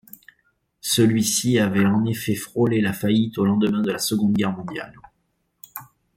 Celui-ci avait en effet frôlé la faillite au lendemain de la Seconde Guerre mondiale.